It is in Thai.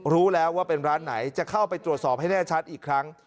รู้แล้วว่าเป็นร้านไหนจะเข้าไปตรวจสอบให้แน่ชัดอีกครั้ง